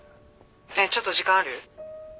「ねえちょっと時間ある？」